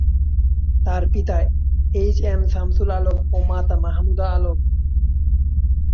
তার পিতা H M Shamsul Alam ও মাতা মাহমুদা আলম।